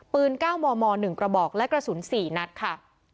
๙มม๑กระบอกและกระสุน๔นัดค่ะ